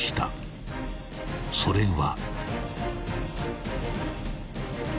［それは］